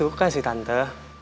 aku suka sih tante